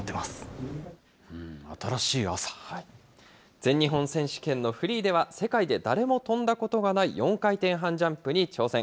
全日本選手権のフリーでは、世界で誰も跳んだことがない４回転半ジャンプに挑戦。